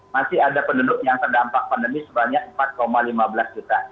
masih ada penduduk yang terdampak pandemi sebanyak empat lima belas juta